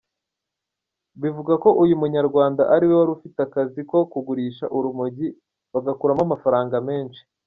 Bivugwa ko uyu Munyarwanda ariwe wari ufite akazi ko kugurisha urumogi bagakuramo amafaranga menshi.